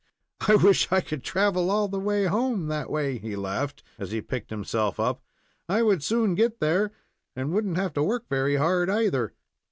"I wish I could travel all the way home that way," he laughed, as he picked himself up. "I would soon get there, and wouldn't have to work very hard, either."